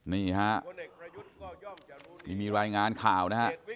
นี่ฮะที่มีรายงานข่าวนะฮะ